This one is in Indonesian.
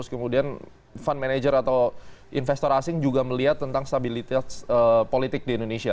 karena fund manager atau investor asing juga melihat tentang stabilitas politik di indonesia